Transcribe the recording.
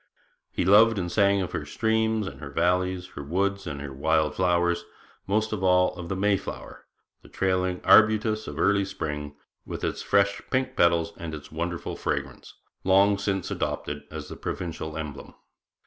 He loved and he sang of her streams and her valleys, her woods and her wild flowers, most of all of the 'Mayflower,' the trailing arbutus of early spring, with its fresh pink petals and its wonderful fragrance, long since adopted as the provincial emblem.